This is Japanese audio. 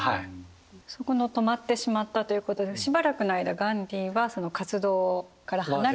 そこの止まってしまったということでしばらくの間ガンディーはその活動から離れて。